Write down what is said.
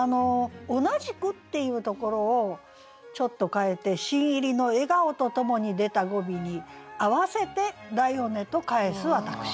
「同じく」っていうところをちょっと変えて「新入りの笑顔と共に出た語尾に合わせて『だよね』と返す私」。